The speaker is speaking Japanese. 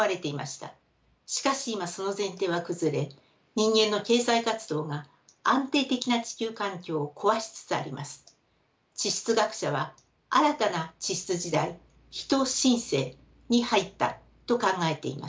しかし今その前提は崩れ人間の経済活動が安定的な地球環境を壊しつつあります。地質学者は新たな地質時代人新世に入ったと考えています。